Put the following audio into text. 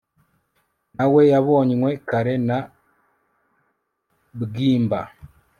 na we yabonywe kare na bwimba